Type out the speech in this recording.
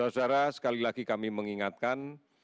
saudara saudara sekali lagi kami mengingatkan